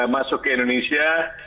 masuk ke indonesia